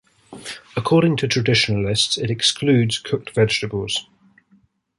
According to traditionalists, it excludes cooked vegetables.